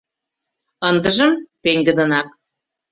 Ындыжым — пеҥгыдынак.